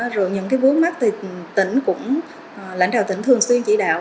rồi những cái vướng mắt thì tỉnh cũng lãnh đạo tỉnh thường xuyên chỉ đạo